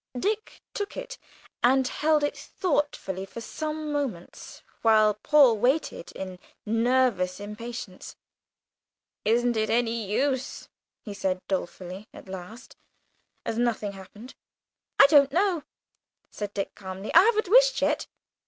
Dick took it, and held it thoughtfully for some moments, while Paul waited in nervous impatience. "Isn't it any use?" he said dolefully at last, as nothing happened. "I don't know," said Dick calmly, "I haven't wished yet."